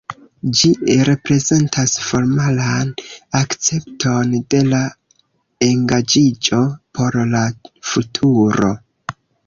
Ĝi reprezentas formalan akcepton de la engaĝiĝo por la futuro.